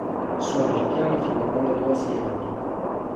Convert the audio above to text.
Suona il piano fin da quando aveva sei anni.